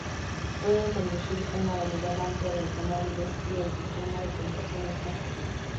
Pueden conducir una variedad amplia de automóviles y el sistema de puntuación es complejo.